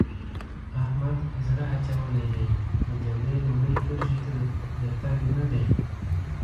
احمد زړه اچولی دی؛ د جګړې لومړۍ کرښې ته د تګ نه دی.